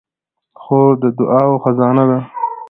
خور د دعاوو خزانه ده.